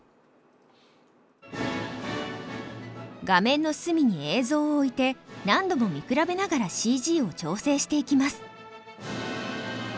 画面の隅に映像を置いて何度も見比べながらＣＧを調整していきます。